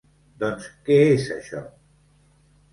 Doncs què és, això?